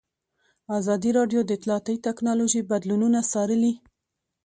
ازادي راډیو د اطلاعاتی تکنالوژي بدلونونه څارلي.